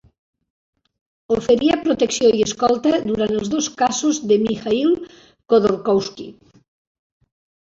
Oferia protecció i escolta durant els dos casos de Mikhail Khodorkovsky.